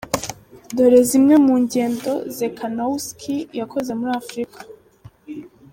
Dore zimwe mu ngendo Czekanowski yakoze muri Afurika .